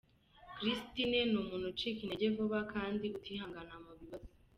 Christine ni umuntu ucika intege vuba kandi utihangana mu bibazo.